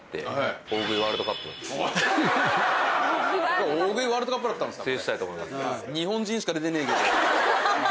これ大食いワールドカップだったんですか。